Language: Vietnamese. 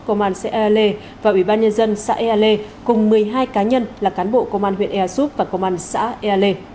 công an xe ale và ủy ban nhân dân xã ale cùng một mươi hai cá nhân là cán bộ công an huyện ersup và công an xã ale